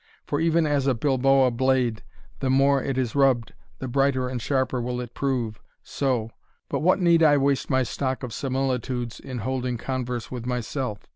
For even as a Bilboa blade, the more it is rubbed, the brighter and the sharper will it prove, so But what need I waste my stock of similitudes in holding converse with myself?